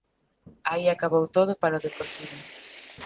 Aí acabou todo para o Deportivo.